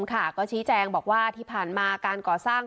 ก็ชี้แจงบอกว่าที่ผ่านมาการก่อสร้าง